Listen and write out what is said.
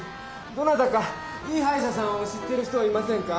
どなたかいいはいしゃさんを知ってる人はいませんか？